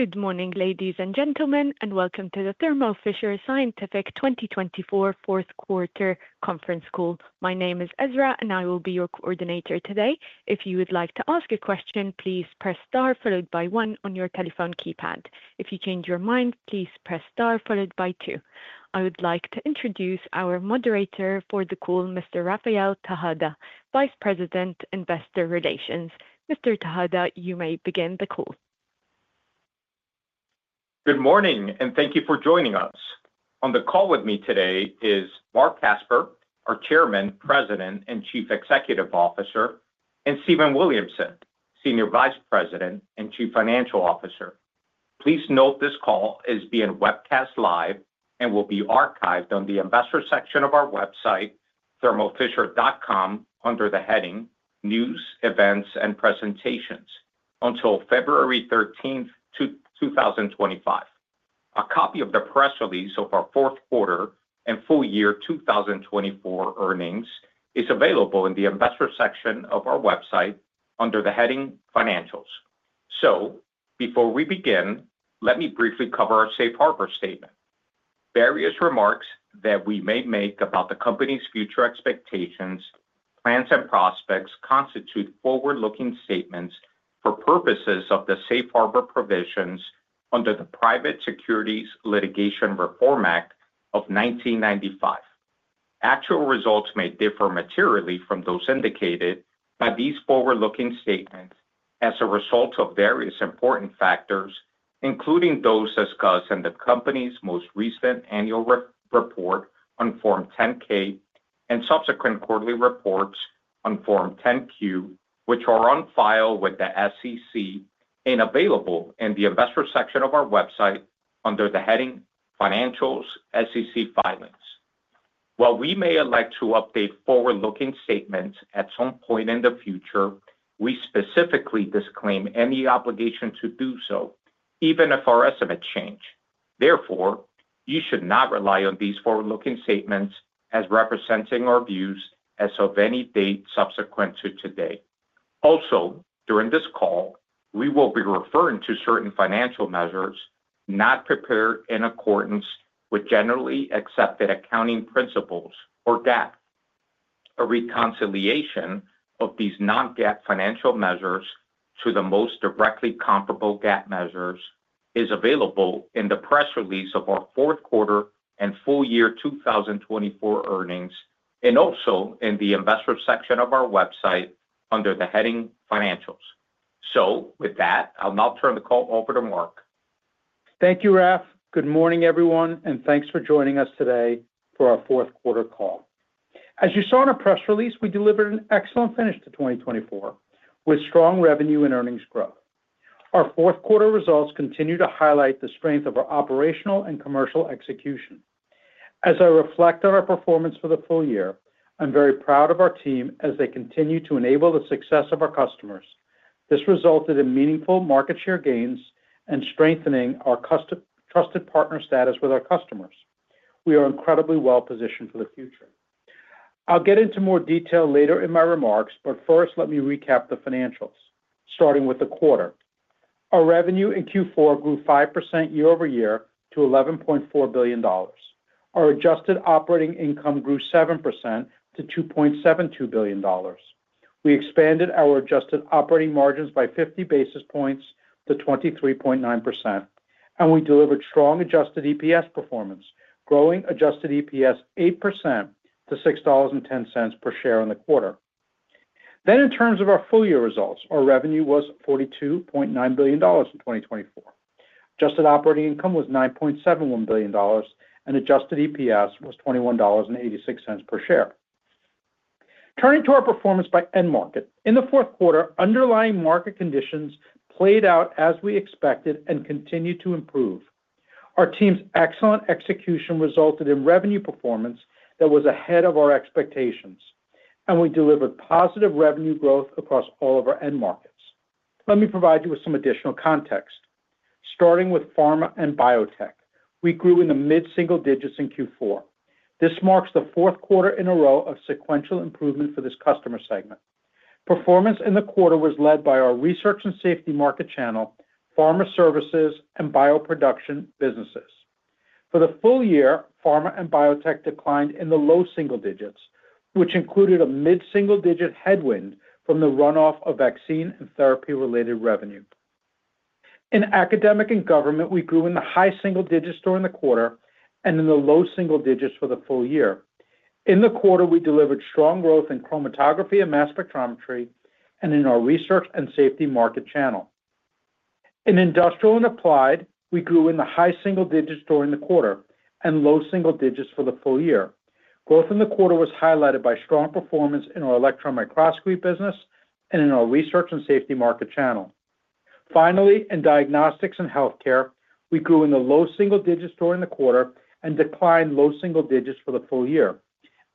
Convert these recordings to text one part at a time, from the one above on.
Good morning, ladies and gentlemen, and welcome to the Thermo Fisher Scientific 2024 Q4 Conference Call. My name is Ezra, and I will be your coordinator today. If you would like to ask a question, please press star followed by one on your telephone keypad. If you change your mind, please press star followed by two. I would like to introduce our moderator for the call, Mr. Rafael Tejada, Vice President, Investor Relations. Mr. Tejada, you may begin the call. Good morning, and thank you for joining us. On the call with me today is Marc Casper, our Chairman, President, and Chief Executive Officer, and Stephen Williamson, Senior Vice President and Chief Financial Officer. Please note this call is being webcast live and will be archived on the investor section of our website, thermofisher.com, under the heading News, Events, and Presentations until February 13, 2025. A copy of the press release of our Q4 and full year 2024 earnings is available in the investor section of our website under the heading Financials. Before we begin, let me briefly cover our Safe Harbor Statement. Various remarks that we may make about the company's future expectations, plans, and prospects constitute forward-looking statements for purposes of the Safe Harbor Provisions under the Private Securities Litigation Reform Act of 1995. Actual results may differ materially from those indicated by these forward-looking statements as a result of various important factors, including those discussed in the company's most recent annual report on Form 10-K and subsequent quarterly reports on Form 10-Q, which are on file with the SEC and available in the investor section of our website under the heading Financials SEC Filings. While we may elect to update forward-looking statements at some point in the future, we specifically disclaim any obligation to do so, even if our estimates change. Therefore, you should not rely on these forward-looking statements as representing our views as of any date subsequent to today. Also, during this call, we will be referring to certain financial measures not prepared in accordance with generally accepted accounting principles, or GAAP. A reconciliation of these non-GAAP financial measures to the most directly comparable GAAP measures is available in the press release of our Q4 and full year 2024 earnings, and also in the investor section of our website under the heading Financials. So, with that, I'll now turn the call over to Marc. Thank you, Raf. Good morning, everyone, and thanks for joining us today for our Q4 Call. As you saw in our press release, we delivered an excellent finish to 2024 with strong revenue and earnings growth. Our Q4 results continue to highlight the strength of our operational and commercial execution. As I reflect on our performance for the full year, I'm very proud of our team as they continue to enable the success of our customers. This resulted in meaningful market share gains and strengthening our trusted partner status with our customers. We are incredibly well positioned for the future. I'll get into more detail later in my remarks, but first, let me recap the financials, starting with the quarter. Our revenue in Q4 grew 5% year over year to $11.4 billion. Our adjusted operating income grew 7% to $2.72 billion. We expanded our adjusted operating margins by 50 basis points to 23.9%, and we delivered strong adjusted EPS performance, growing adjusted EPS 8% to $6.10 per share in the quarter. Then, in terms of our full year results, our revenue was $42.9 billion in 2024. adjusted operating income was $9.71 billion, and adjusted EPS was $21.86 per share. Turning to our performance by end market, in the Q4, underlying market conditions played out as we expected and continue to improve. Our team's excellent execution resulted in revenue performance that was ahead of our expectations, and we delivered positive revenue growth across all of our end markets. Let me provide you with some additional context. Starting with pharma and biotech, we grew in the mid-single digits in Q4. This marks the fourth quarter in a row of sequential improvement for this customer segment. Performance in the quarter was led by our research and safety market channel, pharma services and bioproduction businesses. For the full year, pharma and biotech declined in the low single digits, which included a mid-single digit headwind from the runoff of vaccine and therapy-related revenue. In academic and government, we grew in the high single digits during the quarter and in the low single digits for the full year. In the quarter, we delivered strong growth in chromatography and mass spectrometry and in our research and safety market channel. In industrial and applied, we grew in the high single digits during the quarter and low single digits for the full year. Growth in the quarter was highlighted by strong performance in our electron microscopy business and in our research and safety market channel. Finally, in diagnostics and healthcare, we grew in the low single digits during the quarter and declined low single digits for the full year.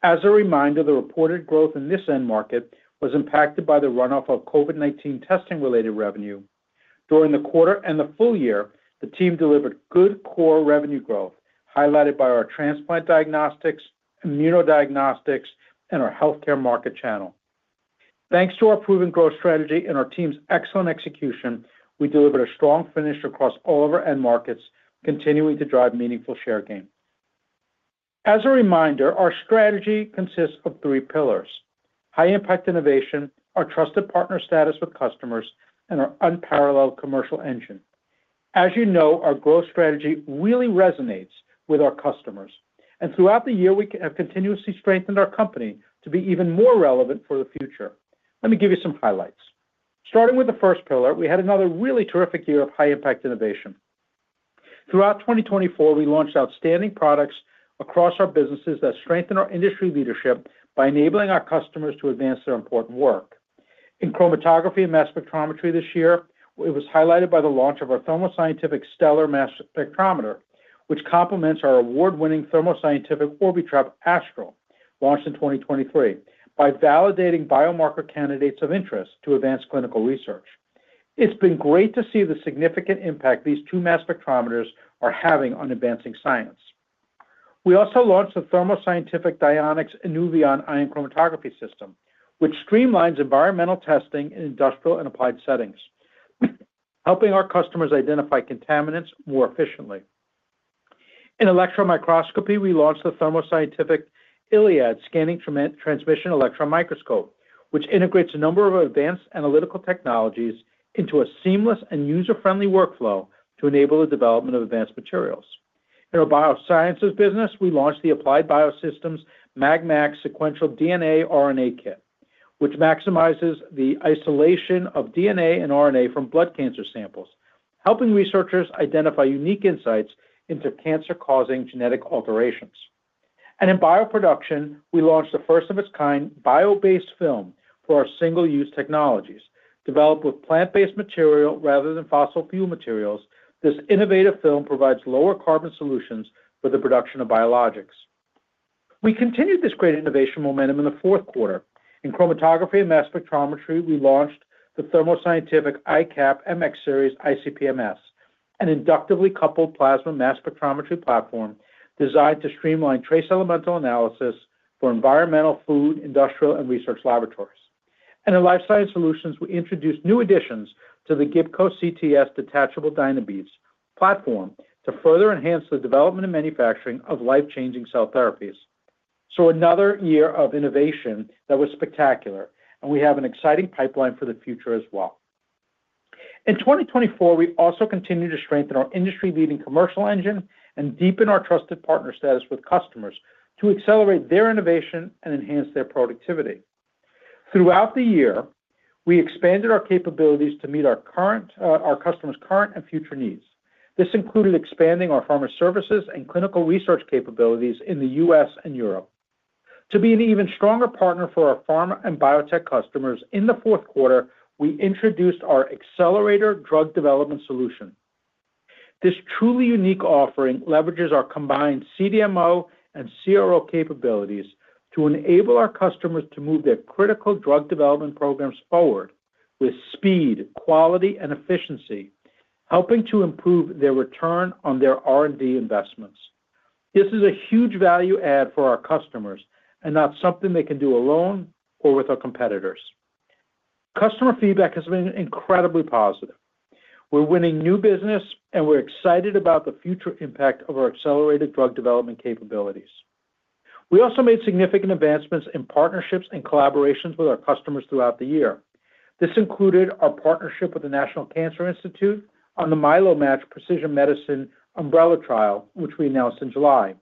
As a reminder, the reported growth in this end market was impacted by the runoff of COVID-19 testing-related revenue. During the quarter and the full year, the team delivered good core revenue growth highlighted by our transplant diagnostics, immunodiagnostics, and our healthcare market channel. Thanks to our proven growth strategy and our team's excellent execution, we delivered a strong finish across all of our end markets, continuing to drive meaningful share gain. As a reminder, our strategy consists of three pillars: high-impact innovation, our trusted partner status with customers, and our unparalleled commercial engine. As you know, our growth strategy really resonates with our customers, and throughout the year, we have continuously strengthened our company to be even more relevant for the future. Let me give you some highlights. Starting with the first pillar, we had another really terrific year of high-impact innovation. Throughout 2024, we launched outstanding products across our businesses that strengthen our industry leadership by enabling our customers to advance their important work. In chromatography and mass spectrometry this year, it was highlighted by the launch of our Thermo Scientific Stellar mass spectrometer, which complements our award-winning Thermo Scientific Orbitrap Astral, launched in 2023, by validating biomarker candidates of interest to advance clinical research. It's been great to see the significant impact these two mass spectrometers are having on advancing science. We also launched the Thermo Scientific Dionex Inuvion Ion Chromatography System, which streamlines environmental testing in industrial and applied settings, helping our customers identify contaminants more efficiently. In electron microscopy, we launched the Thermo Scientific Lliad Scanning Transmission Electron Microscope, which integrates a number of advanced analytical technologies into a seamless and user-friendly workflow to enable the development of advanced materials. In our biosciences business, we launched the Applied Biosystems MagMAX Sequential DNA/RNA Kit, which maximizes the isolation of DNA and RNA from blood cancer samples, helping researchers identify unique insights into cancer-causing genetic alterations. And in bioproduction, we launched the first-of-its-kind bio-based film for our single-use technologies. Developed with plant-based material rather than fossil fuel materials, this innovative film provides lower-carbon solutions for the production of biologics. We continued this great innovation momentum in the Q4. In chromatography and mass spectrometry, we launched the Thermo Scientific iCAP MX Series ICP-MS, an inductively coupled plasma mass spectrometry platform designed to streamline trace elemental analysis for environmental, food, industrial, and research laboratories. In life science solutions, we introduced new additions to the Gibco CTS Detachable Dynabeads platform to further enhance the development and manufacturing of life-changing cell therapies. So another year of innovation that was spectacular, and we have an exciting pipeline for the future as well. In 2024, we also continue to strengthen our industry-leading commercial engine and deepen our trusted partner status with customers to accelerate their innovation and enhance their productivity. Throughout the year, we expanded our capabilities to meet our customers' current and future needs. This included expanding our pharma services and clinical research capabilities in the U.S. and Europe. To be an even stronger partner for our pharma and biotech customers, in the Q4, we introduced our Accelerator Drug Development Solution. This truly unique offering leverages our combined CDMO and CRO capabilities to enable our customers to move their critical drug development programs forward with speed, quality, and efficiency, helping to improve their return on their R&D investments. This is a huge value add for our customers and not something they can do alone or with our competitors. Customer feedback has been incredibly positive. We're winning new business, and we're excited about the future impact of our accelerated drug development capabilities. We also made significant advancements in partnerships and collaborations with our customers throughout the year. This included our partnership with the National Cancer Institute on the MyloMATCH Precision Medicine umbrella trial, which we announced in July,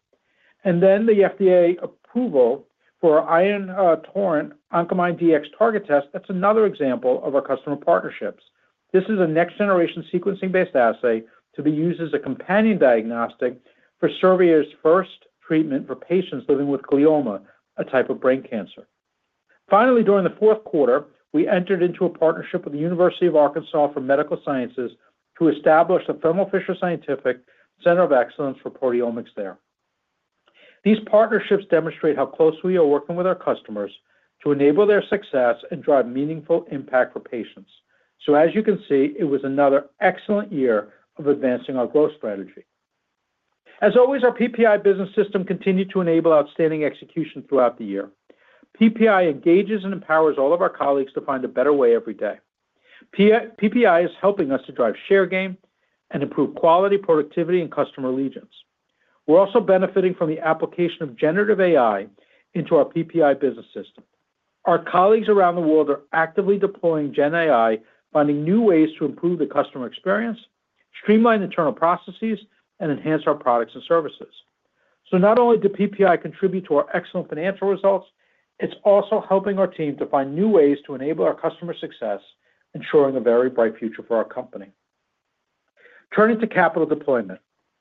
and then the FDA approval for Ion Torrent Oncomine Dx Target Test. That's another example of our customer partnerships. This is a next-generation sequencing-based assay to be used as a companion diagnostic for Servier's first treatment for patients living with glioma, a type of brain cancer. Finally, during the Q4, we entered into a partnership with the University of Arkansas for Medical Sciences to establish the Thermo Fisher Scientific Center of Excellence for Proteomics there. These partnerships demonstrate how close we are working with our customers to enable their success and drive meaningful impact for patients. So as you can see, it was another excellent year of advancing our growth strategy. As always, our PPI business system continued to enable outstanding execution throughout the year. PPI engages and empowers all of our colleagues to find a better way every day. PPI is helping us to drive share gain and improve quality, productivity, and customer allegiance. We're also benefiting from the application of generative AI into our PPI business system. Our colleagues around the world are actively deploying GenAI, finding new ways to improve the customer experience, streamline internal processes, and enhance our products and services. So, not only did PPI contribute to our excellent financial results, it's also helping our team to find new ways to enable our customer success, ensuring a very bright future for our company. Turning to capital deployment,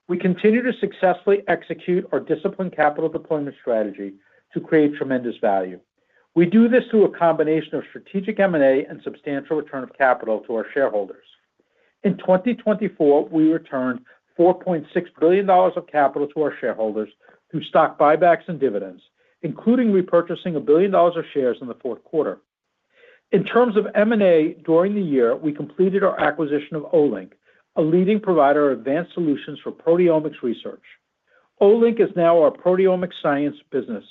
we continue to successfully execute our disciplined capital deployment strategy to create tremendous value. We do this through a combination of strategic M&A and substantial return of capital to our shareholders. In 2024, we returned $4.6 billion of capital to our shareholders through stock buybacks and dividends, including repurchasing $1 billion of shares in the Q4. In terms of M&A during the year, we completed our acquisition of Olink, a leading provider of advanced solutions for proteomics research. Olink is now our proteomics science business.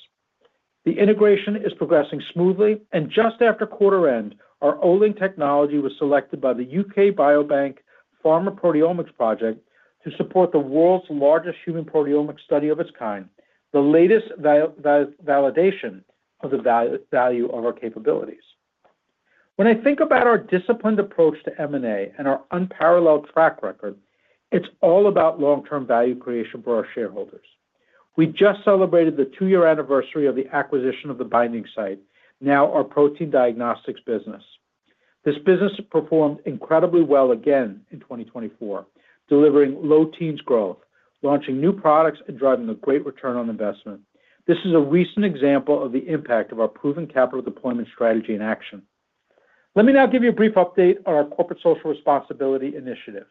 The integration is progressing smoothly, and just after quarter end, our Olink technology was selected by the UK Biobank Pharma Proteomics Project to support the world's largest human proteomics study of its kind, the latest validation of the value of our capabilities. When I think about our disciplined approach to M&A and our unparalleled track record, it's all about long-term value creation for our shareholders. We just celebrated the two-year anniversary of the acquisition of The Binding Site, now our protein diagnostics business. This business performed incredibly well again in 2024, delivering low teens growth, launching new products, and driving a great return on investment. This is a recent example of the impact of our proven capital deployment strategy in action. Let me now give you a brief update on our corporate social responsibility initiatives.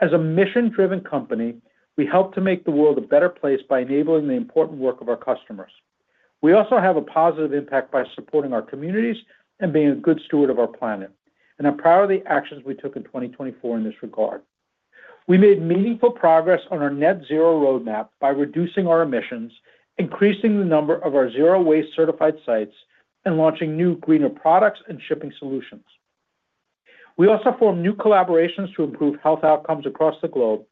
As a mission-driven company, we help to make the world a better place by enabling the important work of our customers. We also have a positive impact by supporting our communities and being a good steward of our planet, and I'm proud of the actions we took in 2024 in this regard. We made meaningful progress on our net zero roadmap by reducing our emissions, increasing the number of our zero-waste certified sites, and launching new greener products and shipping solutions. We also formed new collaborations to improve health outcomes across the globe,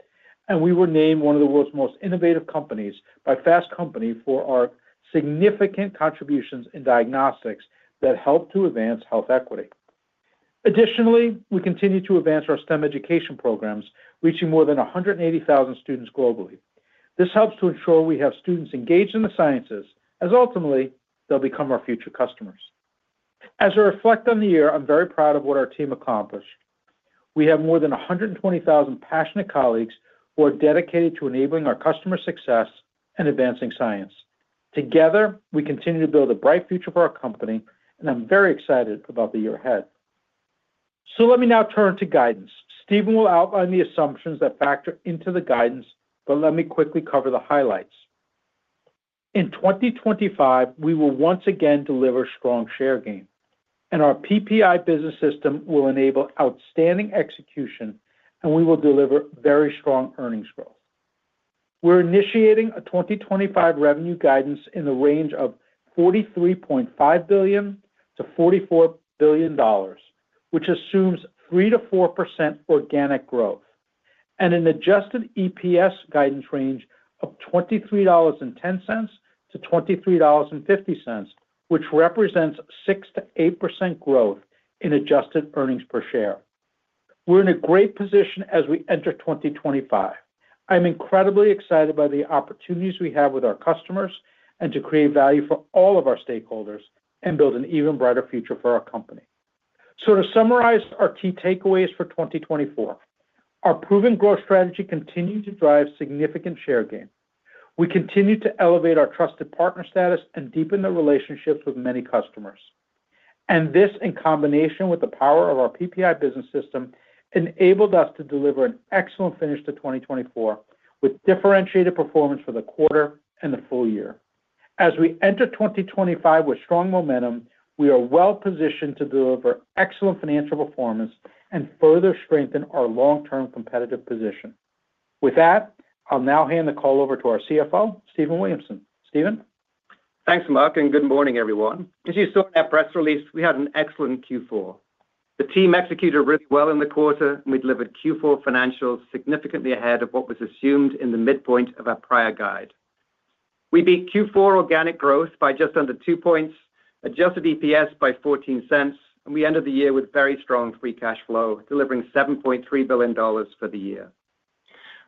and we were named one of the world's most innovative companies by Fast Company for our significant contributions in diagnostics that help to advance health equity. Additionally, we continue to advance our STEM education programs, reaching more than 180,000 students globally. This helps to ensure we have students engaged in the sciences, as ultimately they'll become our future customers. As I reflect on the year, I'm very proud of what our team accomplished. We have more than 120,000 passionate colleagues who are dedicated to enabling our customer success and advancing science. Together, we continue to build a bright future for our company, and I'm very excited about the year ahead. So, let me now turn to guidance. Stephen will outline the assumptions that factor into the guidance, but let me quickly cover the highlights. In 2025, we will once again deliver strong share gain, and our PPI Business System will enable outstanding execution, and we will deliver very strong earnings growth. We're initiating a 2025 revenue guidance in the range of $43.5 billion-$44 billion, which assumes 3%-4% organic growth, and an adjusted EPS guidance range of $23.10-$23.50, which represents 6%-8% growth in adjusted earnings per share. We're in a great position as we enter 2025. I'm incredibly excited by the opportunities we have with our customers and to create value for all of our stakeholders and build an even brighter future for our company. So, to summarize our key takeaways for 2024, our proven growth strategy continues to drive significant share gain. We continue to elevate our trusted partner status and deepen the relationships with many customers. And this, in combination with the power of our PPI Business System, enabled us to deliver an excellent finish to 2024 with differentiated performance for the quarter and the full year. As we enter 2025 with strong momentum, we are well positioned to deliver excellent financial performance and further strengthen our long-term competitive position. With that, I'll now hand the call over to our CFO, Stephen Williamson. Stephen? Thanks, Mark, and good morning, everyone. As you saw in our press release, we had an excellent Q4. The team executed really well in the quarter, and we delivered Q4 financials significantly ahead of what was assumed in the midpoint of our prior guide. We beat Q4 organic growth by just under two points, adjusted EPS by $0.14, and we ended the year with very strong free cash flow, delivering $7.3 billion for the year.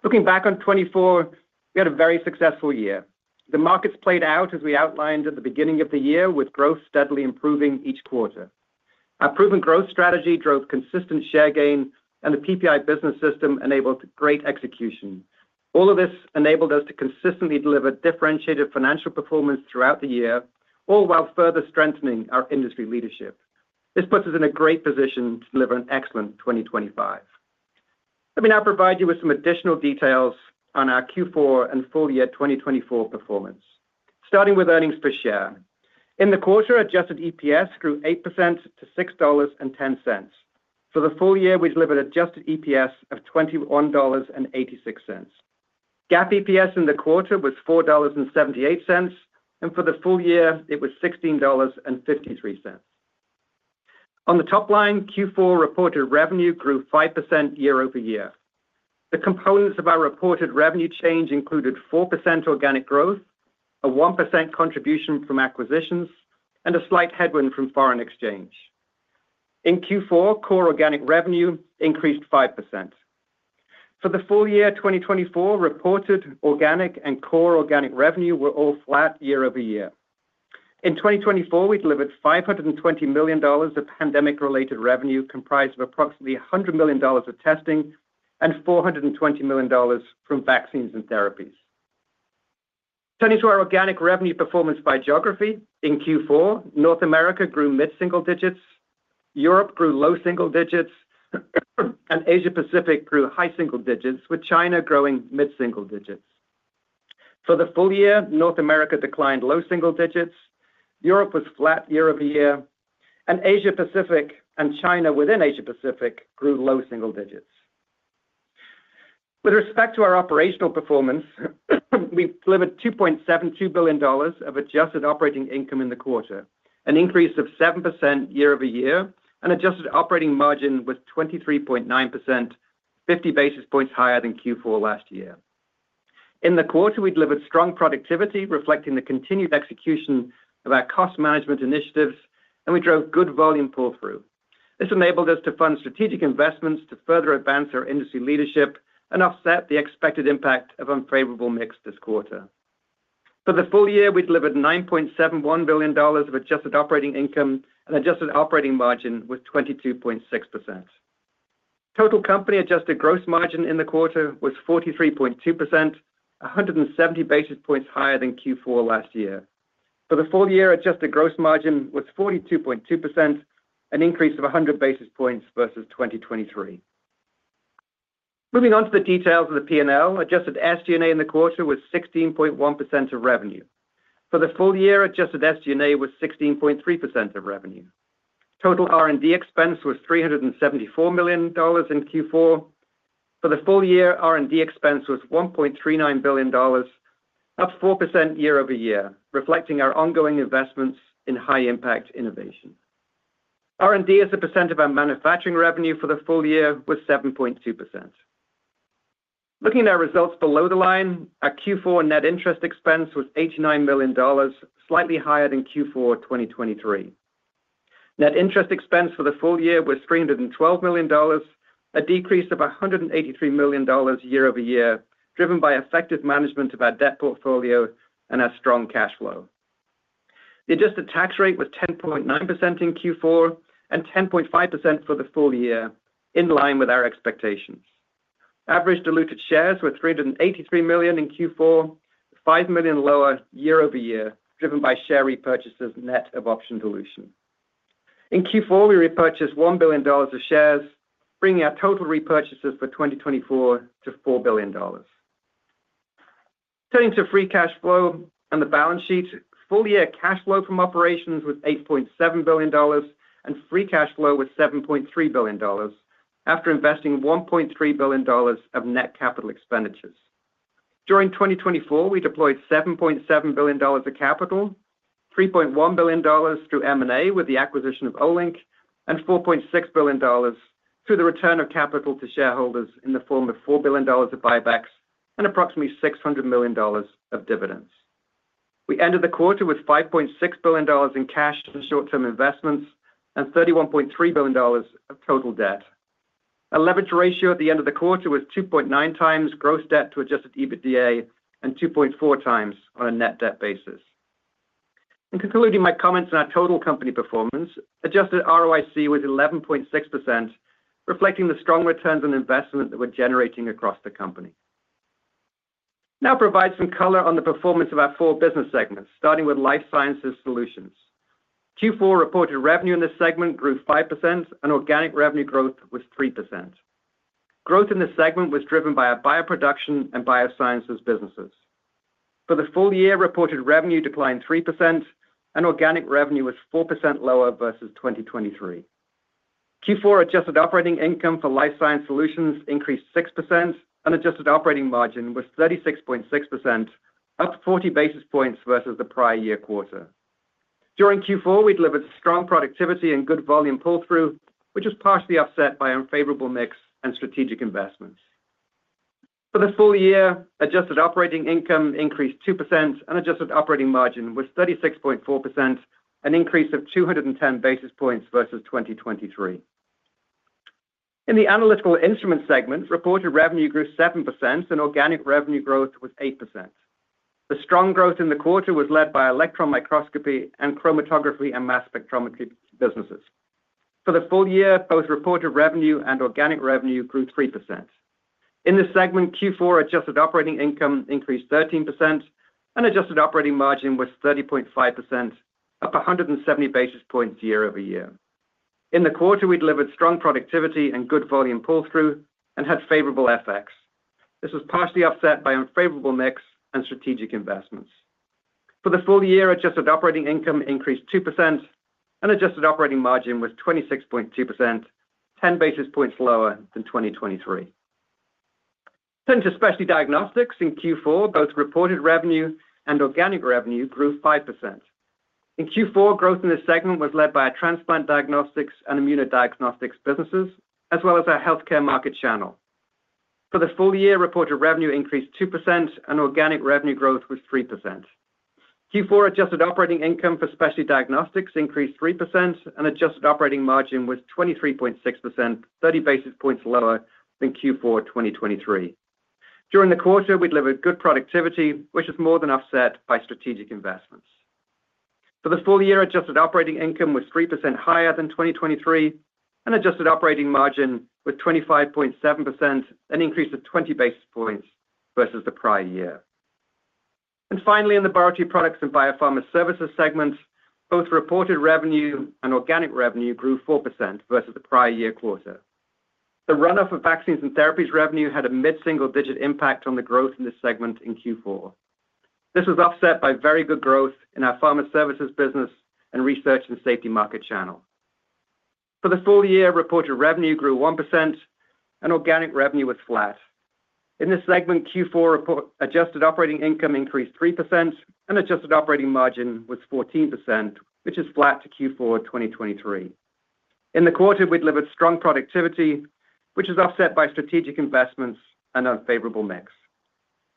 Looking back on 2024, we had a very successful year. The markets played out, as we outlined at the beginning of the year, with growth steadily improving each quarter. Our proven growth strategy drove consistent share gain, and the PPI Business System enabled great execution. All of this enabled us to consistently deliver differentiated financial performance throughout the year, all while further strengthening our industry leadership. This puts us in a great position to deliver an excellent 2025. Let me now provide you with some additional details on our Q4 and full year 2024 performance. Starting with earnings per share. In the quarter, adjusted EPS grew 8% to $6.10. For the full year, we delivered adjusted EPS of $21.86. GAAP EPS in the quarter was $4.78, and for the full year, it was $16.53. On the top line, Q4 reported revenue grew 5% year over year. The components of our reported revenue change included 4% organic growth, a 1% contribution from acquisitions, and a slight headwind from foreign exchange. In Q4, core organic revenue increased 5%. For the full year 2024, reported organic and core organic revenue were all flat year over year. In 2024, we delivered $520 million of pandemic-related revenue, comprised of approximately $100 million of testing and $420 million from vaccines and therapies. Turning to our organic revenue performance by geography, in Q4, North America grew mid-single digits, Europe grew low single digits, and Asia-Pacific grew high single digits, with China growing mid-single digits. For the full year, North America declined low single digits, Europe was flat year over year, and Asia-Pacific and China within Asia-Pacific grew low single digits. With respect to our operational performance, we delivered $2.72 billion of adjusted operating income in the quarter, an increase of 7% year over year, and adjusted operating margin was 23.9%, 50 basis points higher than Q4 last year. In the quarter, we delivered strong productivity, reflecting the continued execution of our cost management initiatives, and we drove good volume pull-through. This enabled us to fund strategic investments to further advance our industry leadership and offset the expected impact of unfavorable mix this quarter. For the full year, we delivered $9.71 billion of adjusted operating income and adjusted operating margin was 22.6%. Total company adjusted gross margin in the quarter was 43.2%, 170 basis points higher than Q4 last year. For the full year, adjusted gross margin was 42.2%, an increase of 100 basis points versus 2023. Moving on to the details of the P&L, adjusted SG&A in the quarter was 16.1% of revenue. For the full year, adjusted SG&A was 16.3% of revenue. Total R&D expense was $374 million in Q4. For the full year, R&D expense was $1.39 billion, up 4% year over year, reflecting our ongoing investments in high-impact innovation. R&D as a % of our manufacturing revenue for the full year was 7.2%. Looking at our results below the line, our Q4 net interest expense was $89 million, slightly higher than Q4 2023. Net interest expense for the full year was $312 million, a decrease of $183 million year over year, driven by effective management of our debt portfolio and our strong cash flow. The adjusted tax rate was 10.9% in Q4 and 10.5% for the full year, in line with our expectations. Average diluted shares were 383 million in Q4, 5 million lower year over year, driven by share repurchases net of option dilution. In Q4, we repurchased $1 billion of shares, bringing our total repurchases for 2024 to $4 billion. Turning to free cash flow and the balance sheet, full year cash flow from operations was $8.7 billion and free cash flow was $7.3 billion after investing $1.3 billion of net capital expenditures. During 2024, we deployed $7.7 billion of capital, $3.1 billion through M&A with the acquisition of Olink, and $4.6 billion through the return of capital to shareholders in the form of $4 billion of buybacks and approximately $600 million of dividends. We ended the quarter with $5.6 billion in cash and short-term investments and $31.3 billion of total debt. Our leverage ratio at the end of the quarter was 2.9 times gross debt to adjusted EBITDA and 2.4 times on a net debt basis. In concluding my comments on our total company performance, adjusted ROIC was 11.6%, reflecting the strong returns on investment that we're generating across the company. Now provide some color on the performance of our four business segments, starting with Life Sciences Solutions. Q4 reported revenue in this segment grew 5%, and organic revenue growth was 3%. Growth in this segment was driven by our bioproduction and biosciences businesses. For the full year, reported revenue declined 3%, and organic revenue was 4% lower versus 2023. Q4 adjusted operating income for Life Sciences Solutions increased 6%, and adjusted operating margin was 36.6%, up 40 basis points versus the prior year quarter. During Q4, we delivered strong productivity and good volume pull-through, which was partially offset by unfavorable mix and strategic investments. For the full year, adjusted operating income increased 2%, and adjusted operating margin was 36.4%, an increase of 210 basis points versus 2023. In the Analytical Instruments segment, reported revenue grew 7%, and organic revenue growth was 8%. The strong growth in the quarter was led by electron microscopy and chromatography and mass spectrometry businesses. For the full year, both reported revenue and organic revenue grew 3%. In this segment, Q4 adjusted operating income increased 13%, and adjusted operating margin was 30.5%, up 170 basis points year over year. In the quarter, we delivered strong productivity and good volume pull-through and had favorable FX. This was partially offset by unfavorable mix and strategic investments. For the full year, adjusted operating income increased 2%, and adjusted operating margin was 26.2%, 10 basis points lower than 2023. Turning to Specialty Diagnostics in Q4, both reported revenue and organic revenue grew 5%. In Q4, growth in this segment was led by our transplant diagnostics and immunodiagnostics businesses, as well as our healthcare market channel. For the full year, reported revenue increased 2%, and organic revenue growth was 3%. Q4 adjusted operating income for Specialty Diagnostics increased 3%, and adjusted operating margin was 23.6%, 30 basis points lower than Q4 2023. During the quarter, we delivered good productivity, which was more than offset by strategic investments. For the full year, adjusted operating income was 3% higher than 2023, and adjusted operating margin was 25.7%, an increase of 20 basis points versus the prior year. And finally, in the Biotech Products and Biopharma Services segment, both reported revenue and organic revenue grew 4% versus the prior year quarter. The runoff of vaccines and therapies revenue had a mid-single digit impact on the growth in this segment in Q4. This was offset by very good growth in our pharma services business and research and safety market channel. For the full year, reported revenue grew 1%, and organic revenue was flat. In this segment, Q4 adjusted operating income increased 3%, and adjusted operating margin was 14%, which is flat to Q4 2023. In the quarter, we delivered strong productivity, which was offset by strategic investments and unfavorable mix.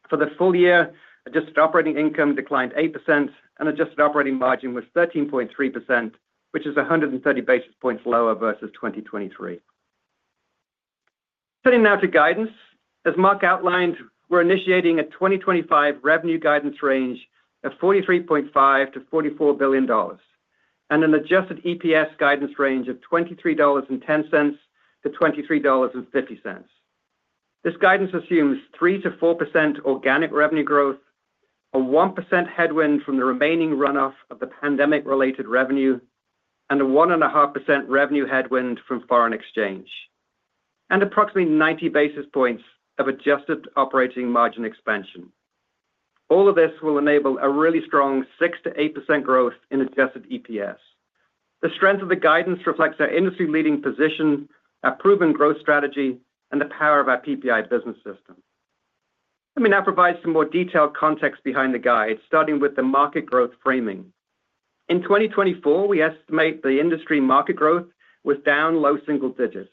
For the full year, adjusted operating income declined 8%, and adjusted operating margin was 13.3%, which is 130 basis points lower versus 2023. Turning now to guidance, as Marc outlined, we're initiating a 2025 revenue guidance range of $43.5-$44 billion and an adjusted EPS guidance range of $23.10-$23.50. This guidance assumes 3%-4% organic revenue growth, a 1% headwind from the remaining runoff of the pandemic-related revenue, and a 1.5% revenue headwind from foreign exchange, and approximately 90 basis points of adjusted operating margin expansion. All of this will enable a really strong 6%-8% growth in adjusted EPS. The strength of the guidance reflects our industry-leading position, our proven growth strategy, and the power of our PPI Business System. Let me now provide some more detailed context behind the guide, starting with the market growth framing. In 2024, we estimate the industry market growth was down low single digits.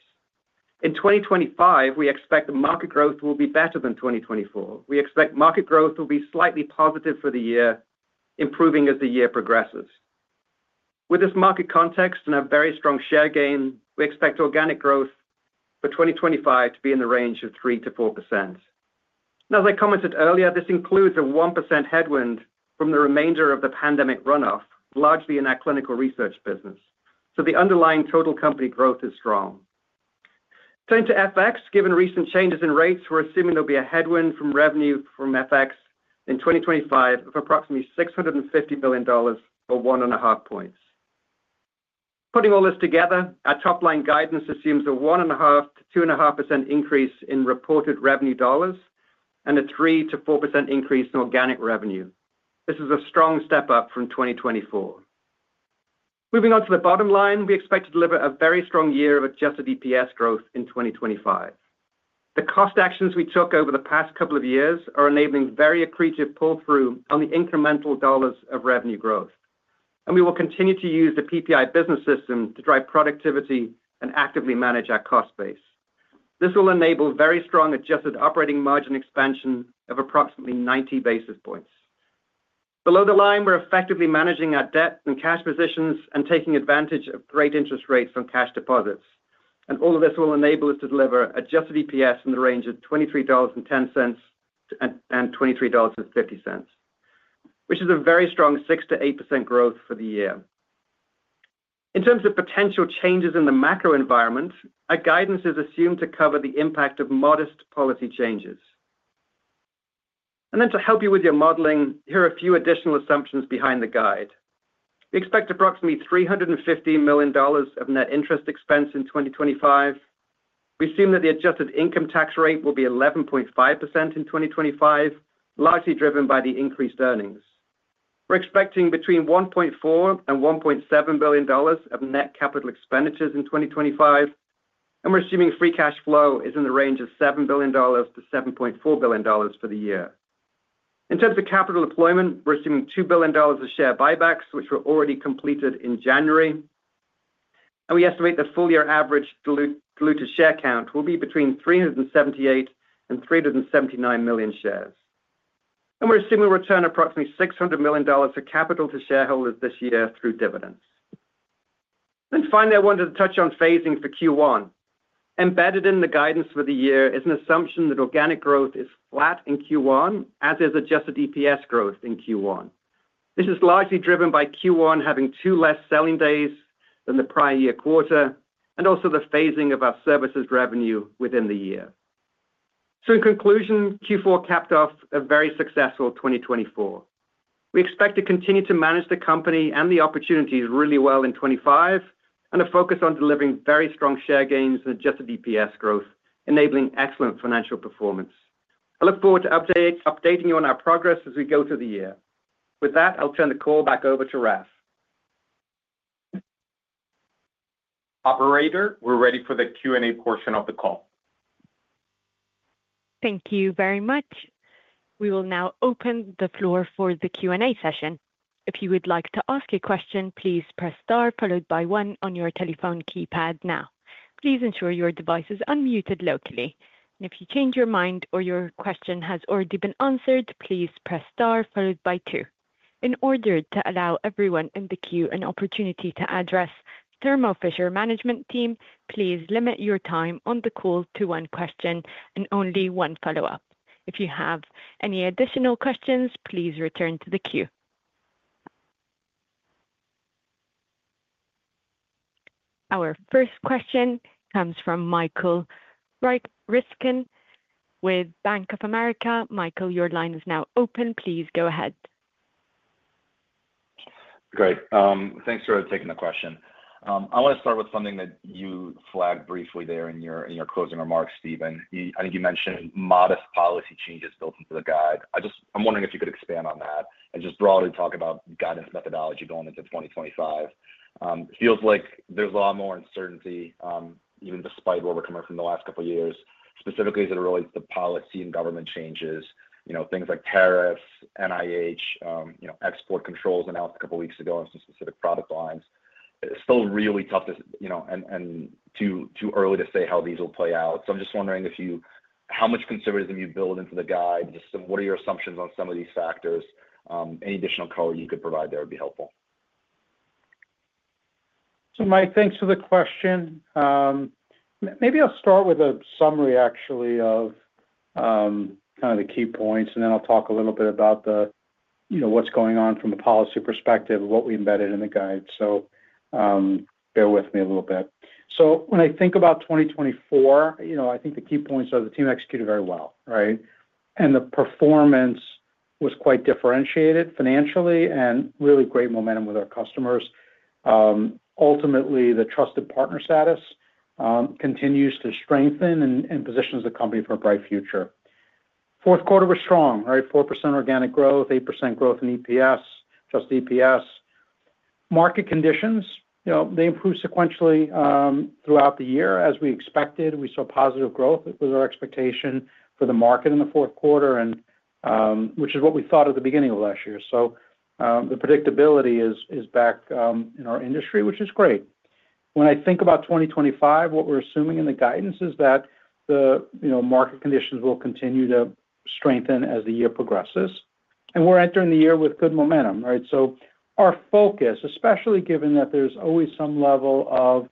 In 2025, we expect the market growth will be better than 2024. We expect market growth will be slightly positive for the year, improving as the year progresses. With this market context and a very strong share gain, we expect organic growth for 2025 to be in the range of 3%-4%. Now, as I commented earlier, this includes a 1% headwind from the remainder of the pandemic runoff, largely in our clinical research business. So the underlying total company growth is strong. Turning to FX, given recent changes in rates, we're assuming there'll be a headwind from revenue from FX in 2025 of approximately $650 million or 1.5 points. Putting all this together, our top line guidance assumes a 1.5%-2.5% increase in reported revenue dollars and a 3%-4% increase in organic revenue. This is a strong step up from 2024. Moving on to the bottom line, we expect to deliver a very strong year of adjusted EPS growth in 2025. The cost actions we took over the past couple of years are enabling very accretive pull-through on the incremental dollars of revenue growth, and we will continue to use the PPI Business System to drive productivity and actively manage our cost base. This will enable very strong adjusted operating margin expansion of approximately 90 basis points. Below the line, we're effectively managing our debt and cash positions and taking advantage of great interest rates on cash deposits, and all of this will enable us to deliver adjusted EPS in the range of $23.10 and $23.50, which is a very strong 6% to 8% growth for the year. In terms of potential changes in the macro environment, our guidance is assumed to cover the impact of modest policy changes, and then to help you with your modeling, here are a few additional assumptions behind the guide. We expect approximately $350 million of net interest expense in 2025. We assume that the adjusted income tax rate will be 11.5% in 2025, largely driven by the increased earnings. We're expecting between $1.4 and $1.7 billion of net capital expenditures in 2025, and we're assuming free cash flow is in the range of $7 billion-$7.4billion for the year. In terms of capital deployment, we're assuming $2 billion of share buybacks, which were already completed in January. And we estimate the full year average diluted share count will be between 378 and 379 million shares. And we're assuming we'll return approximately $600 million of capital to shareholders this year through dividends. And finally, I wanted to touch on phasing for Q1. Embedded in the guidance for the year is an assumption that organic growth is flat in Q1, as is adjusted EPS growth in Q1. This is largely driven by Q1 having two less selling days than the prior year quarter, and also the phasing of our services revenue within the year. So in conclusion, Q4 capped off a very successful 2024. We expect to continue to manage the company and the opportunities really well in 2025, and to focus on delivering very strong share gains and adjusted EPS growth, enabling excellent financial performance. I look forward to updating you on our progress as we go through the year. With that, I'll turn the call back over to Raf. Operator, we're ready for the Q&A portion of the call. Thank you very much. We will now open the floor for the Q&A session. If you would like to ask a question, please press star followed by one on your telephone keypad now. Please ensure your device is unmuted locally. And if you change your mind or your question has already been answered, please press star followed by two. In order to allow everyone in the queue an opportunity to address Thermo Fisher Management Team, please limit your time on the call to one question and only one follow-up. If you have any additional questions, please return to the queue. Our first question comes from Michael Ryskin with Bank of America. Michael, your line is now open. Please go ahead. Great. Thanks for taking the question. I want to start with something that you flagged briefly there in your closing remarks, Stephen. I think you mentioned modest policy changes built into the guide. I just I'm wondering if you could expand on that and just broadly talk about guidance methodology going into 2025. It feels like there's a lot more uncertainty, even despite where we're coming from the last couple of years. Specifically, as it relates to policy and government changes, you know things like tariffs, NIH, you know export controls announced a couple of weeks ago on some specific product lines. It's still really tough you know and too early to say how these will play out. So I'm just wondering how much conservatism you build into the guide. Just what are your assumptions on some of these factors? Any additional color you could provide there would be helpful. So Mike, thanks for the question. Maybe I'll start with a summary, actually, of kind of key points, and then I'll talk a little bit about what's going on from a policy perspective, what we embedded in the guide. So bear with me a little bit. So when I think about 2024, you know I think the key points are the team executed very well, alright? And the performance was quite differentiated financially and really great momentum with our customers. Ultimately, the trusted partner status continues to strengthen and positions the company for a bright future. Q4 was strong, right? 4% organic growth, 8% growth in EPS, just EPS. Market conditions, you know they improved sequentially throughout the year, as we expected. We saw positive growth. It was our expectation for the market in the Q4, which is what we thought at the beginning of last year. So the predictability is back in our industry, which is great. When I think about 2025, what we're assuming in the guidance is that the you know market conditions will continue to strengthen as the year progresses. And we're entering the year with good momentum, right? So our focus, especially given that there's always some level of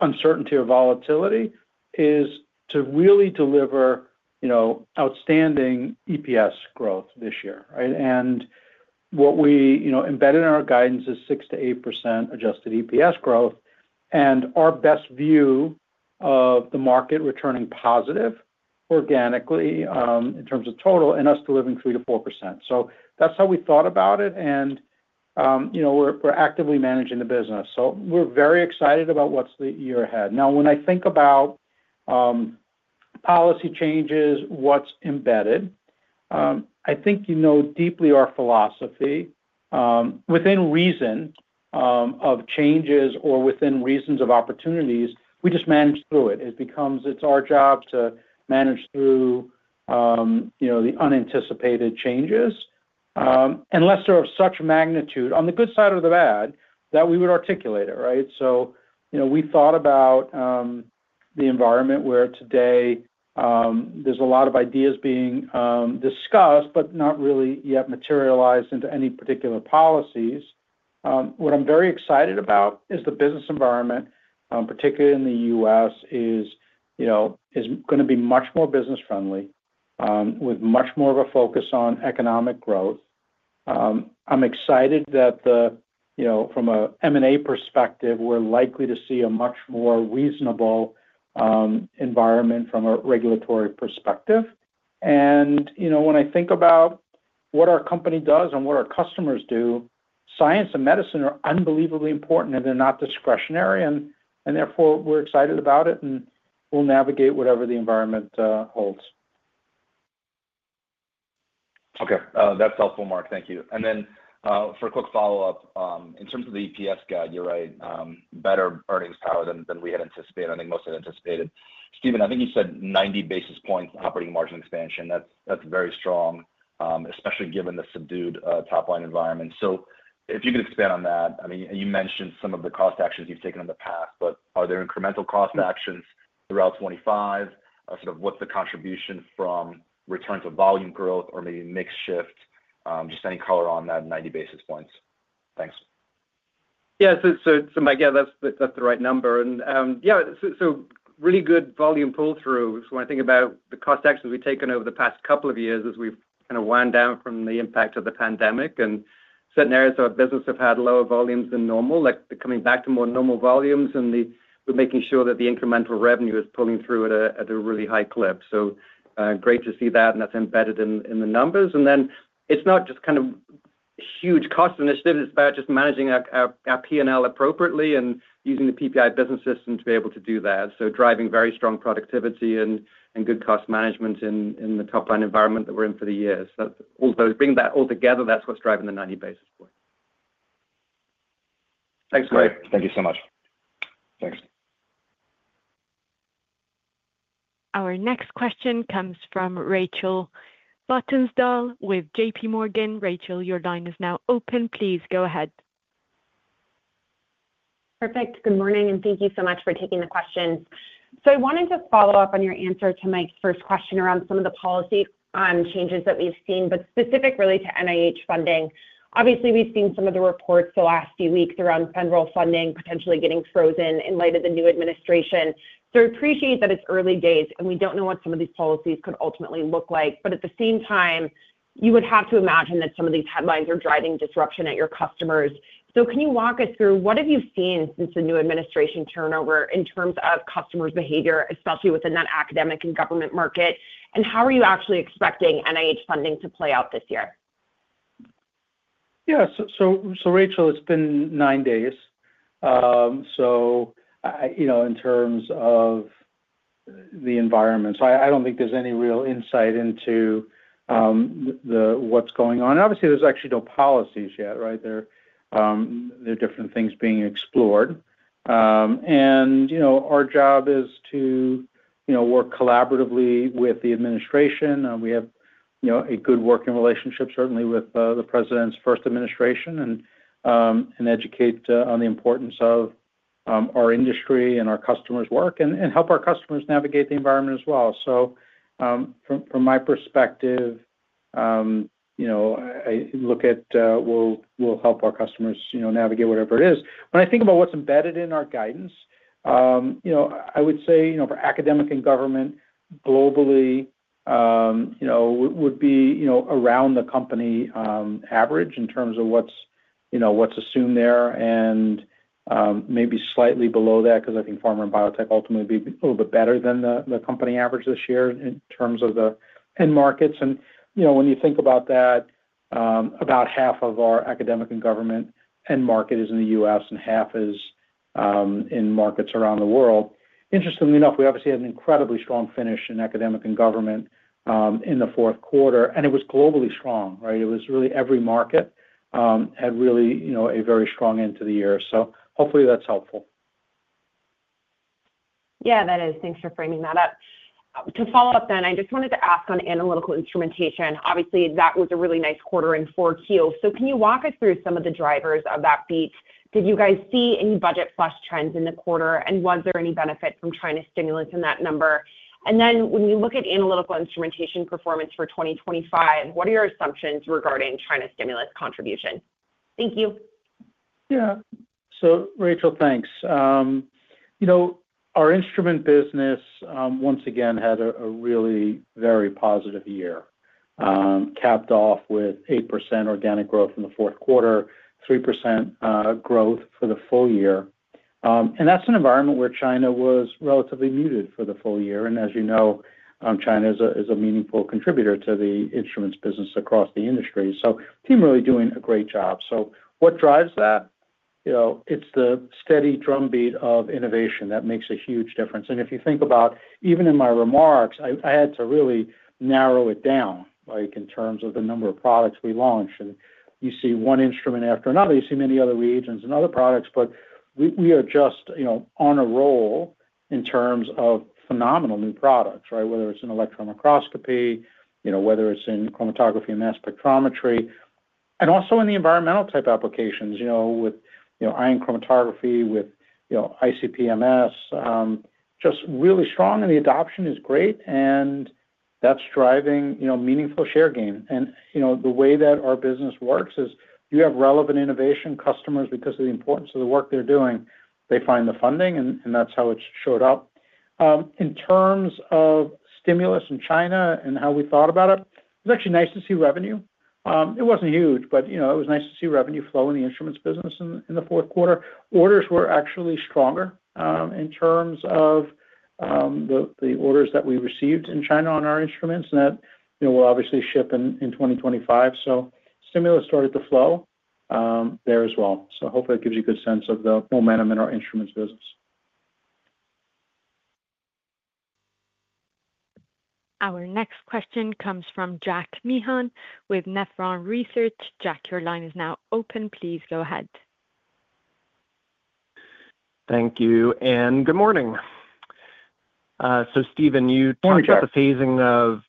uncertainty or volatility, is to really deliver you know outstanding EPS growth this year, right? And what we you know embedded in our guidance is 6%-8% adjusted EPS growth. And our best view of the market returning positive organically in terms of total and us delivering 3%-4%. So that's how we thought about it. And you knowwe're actively managing the business. So we're very excited about what's the year ahead. Now, when I think about policy changes, what's embedded, I think you know deeply our philosophy within reason of changes or within reasons of opportunities, we just manage through it. It becomes it's our job to manage through you know the unanticipated changes, unless they're of such magnitude on the good side or the bad that we would articulate it, right? So you know we thought about the environment where today there's a lot of ideas being discussed, but not really yet materialized into any particular policies. What I'm very excited about is the business environment, particularly in the U.S., is you know going to be much more business-friendly, with much more of a focus on economic growth. I'm excited that you know from an M&A perspective, we're likely to see a much more reasonable environment from a regulatory perspective. And you know when I think about what our company does and what our customers do, science and medicine are unbelievably important, and they're not discretionary. And therefore, we're excited about it, and we'll navigate whatever the environment holds. Okay. That's helpful, Mark. Thank you. And then for a quick follow-up, in terms of the EPS guide, you're right, better earnings power than we had anticipated. I think most had anticipated. Stephen, I think you said 90 basis points operating margin expansion. That's very strong, especially given the subdued top line environment. So if you could expand on that, I mean, you mentioned some of the cost actions you've taken in the past, but are there incremental cost actions throughout 2025? Sort of what's the contribution from return to volume growth or maybe mix shift? Just any color on that 90 basis points. Thanks. Yeah. So Mike, yeah, that's the right number. And yeah, so really good volume pull-through. So when I think about the cost actions we've taken over the past couple of years as we've kind of wind down from the impact of the pandemic and certain areas of our business have had lower volumes than normal, like coming back to more normal volumes, and we're making sure that the incremental revenue is pulling through at a really high clip. So great to see that, and that's embedded in the numbers. And then it's not just kind of huge cost initiatives. It's about just managing our P&L appropriately and using the PPI Business System to be able to do that. So driving very strong productivity and good cost management in the top line environment that we're in for the year. So all those bring that all together, that's what's driving the 90 basis points. Thanks, Mike. Thank you so much. Thanks. Our next question comes from Rachel Vatnsdal with J.P. Morgan. Rachel, your line is now open. Please go ahead. Perfect. Good morning, and thank you so much for taking the questions. So I wanted to follow up on your answer to Mike's first question around some of the policy changes that we've seen, but specific really to NIH funding. Obviously, we've seen some of the reports the last few weeks around federal funding potentially getting frozen in light of the new administration. I appreciate that it's early days, and we don't know what some of these policies could ultimately look like. But at the same time, you would have to imagine that some of these headlines are driving disruption at your customers. Can you walk us through what have you seen since the new administration turnover in terms of customers' behavior, especially within that academic and government market? And how are you actually expecting NIH funding to play out this year? Yeah. Rachel, it's been nine days. So you know in terms of the environment, I don't think there's any real insight into what's going on. Obviously, there's actually no policies yet, right? There, there are different things being explored. And you know our job is to you know work collaboratively with the administration. And we have a good working relationship, certainly with the President's first administration, and educate on the importance of our industry and our customers' work and help our customers navigate the environment as well. So from my perspective, you know I look at we'll help our customers you know navigate whatever it is. And I think about what's embedded in our guidance, you know I would say for academic and government globally you know would be you know around the company average in terms of what's you know what assumed there and maybe slightly below that because I think pharma and biotech ultimately would be a little bit better than the company average this year in terms of the end markets. And you know when you think about that, about half of our academic and government end market is in the U.S. and half is in markets around the world. Interestingly enough, we obviously had an incredibly strong finish in academic and government in the Q4, and it was globally strong, right? It was really every market had really you know a very strong end to the year. So hopefully that's helpful. Yeah, that is. Thanks for framing that up. To follow up then, I just wanted to ask on analytical instrumentation. Obviously, that was a really nice quarter in Q4. So can you walk us through some of the drivers of that beat? Did you guys see any budget flush trends in the quarter? And was there any benefit from China stimulus in that number? And then when you look at analytical instrumentation performance for 2025, what are your assumptions regarding China stimulus contribution? Thank you. Yeah. So Rachel, thanks. You know our instrument business, once again, had a really very positive year, capped off with 8% organic growth in the Q4 3% growth for the full year, and that's an environment where China was relatively muted for the full year, and as you know, China is a meaningful contributor to the instruments business across the industry, so the team really doing a great job, so what drives that? You know it's the steady drumbeat of innovation that makes a huge difference, and if you think about even in my remarks, I had to really narrow it down in terms of the number of products we launched, and you see one instrument after another. You see many other regions and other products, but we are just you know on a roll in terms of phenomenal new products. Right, whether it's in electron microscopy, you know whether it's in chromatography and mass spectrometry, and also in the environmental type applications you know with ion chromatography, with you know ICP-MS, just really strong in the adoption is great, and that's driving you know meaningful share gain. And you know the way that our business works is you have relevant innovation customers because of the importance of the work they're doing. They find the funding, and that's how it showed up. In terms of stimulus in China and how we thought about it, it was actually nice to see revenue. It wasn't huge, but you know it was nice to see revenue flow in the instruments business in the Q4. Orders were actually stronger in terms of the orders that we received in China on our instruments that will obviously ship in 2025. So stimulus started to flow there as well. So hopefully it gives you a good sense of the momentum in our instruments business. Our next question comes from Jack Meehan with Nephron Research. Jack, your line is now open. Please go ahead. Thank you. And good morning. So Stephen, you talked about the phasing of,